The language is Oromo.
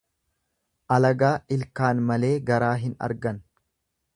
Alagaa ilkaan malee garaa hin argan.